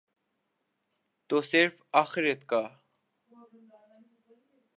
تو صرف آخرت کا۔